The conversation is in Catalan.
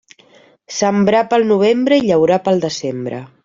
Sembrar pel novembre i llaurar pel desembre.